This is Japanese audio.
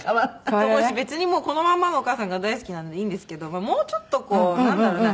別にこのままのお義母さんが大好きなんでいいんですけどもうちょっとこうなんだろうな